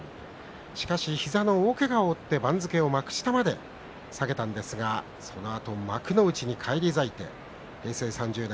しかし、膝の大けがを負って番付を幕下まで下げたんですがそのあと幕内に返り咲いて平成３０年